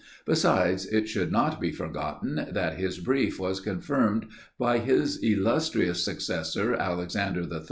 Besides, it should not be forgotten, that his brief was confirmed by his illustrious successor, Alexander III.